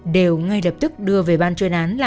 đều ngay lập tức đưa về ban chuyên án